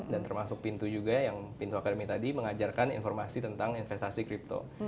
dan termasuk pin tuh juga yang pin tuh academy tadi mengajarkan informasi tentang investasi crypto